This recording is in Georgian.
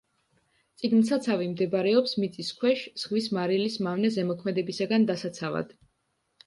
წიგნსაცავი მდებარეობს მიწის ქვეშ, ზღვის მარილის მავნე ზემოქმედებისაგან დასაცავად.